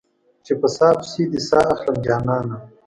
چې په ساه پسې دې ساه اخلم جانانه